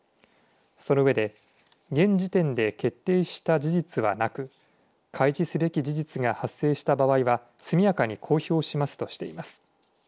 その上で、現時点で決定した事実はなく開示すべき事実が発生した場合は速やかに公表しますとしています。